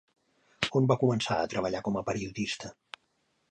On va començar a treballar com a periodista?